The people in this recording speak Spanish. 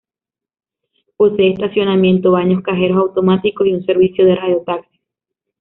Posee estacionamiento, baños, cajeros automáticos y un servicio de radio taxis.